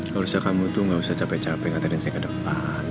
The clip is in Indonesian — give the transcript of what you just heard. kalau bisa kamu tuh gak usah capek capek nganterin saya ke depan